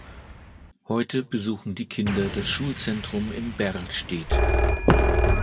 Heute besuchen die Kinder das Schulzentrum in Berlstedt.